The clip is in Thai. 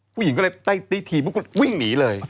เหมือนก็เลยเมื่อกี้วิ่งหนีเลย